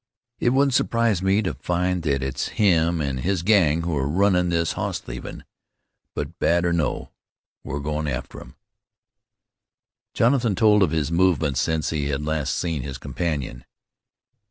It wouldn't surprise me to find that it's him an' his gang who are runnin' this hoss thievin'; but bad or no, we're goin' after 'em." Jonathan told of his movements since he had last seen his companion.